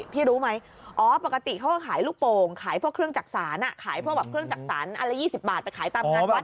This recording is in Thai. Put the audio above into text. พวกเครื่องจักษรน่ะขายพวกแบบเครื่องจักษรอันละ๒๐บาทไปขายตามงานวัด